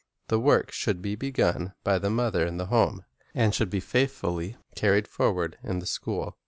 The work should be begun by the mother in the home, and should be faithfully carried forward in the school.